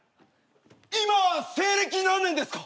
今西暦何年ですか？